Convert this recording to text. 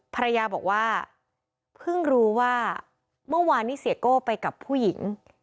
ภรรยาบอกว่าเพิ่งรู้ว่าเมื่อวานนี้เสียโก้ไปกับผู้หญิง